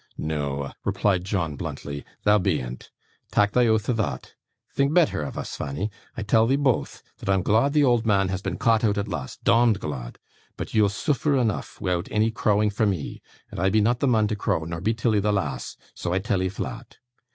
'Noa!' replied John bluntly, 'thou bean't. Tak' thy oath o' thot. Think betther o' us, Fanny. I tell 'ee both, that I'm glod the auld man has been caught out at last dom'd glod but ye'll sooffer eneaf wi'out any crowin' fra' me, and I be not the mun to crow, nor be Tilly the lass, so I tell 'ee flat.